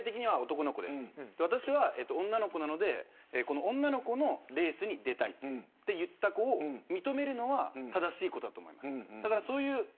私は女の子なので女の子のレースに出たいと言った子を認めるのは正しいことだと思います。